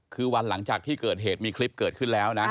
คือวันหลังจากที่เกิดเหตุมีคลิปเกิดขึ้นแล้วนะ